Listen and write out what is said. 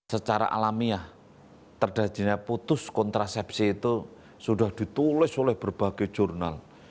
secara alamiah terjadinya putus kontrasepsi itu sudah ditulis oleh berbagai jurnal